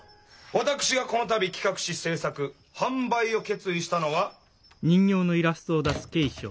私がこの度企画し製作販売を決意したのは。